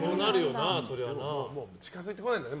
近づいてこないんだね。